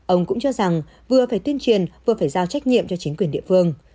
ông cũng cho rằng vừa phải tuyên truyền vừa phải giao trách nhiệm cho chính quyền địa phương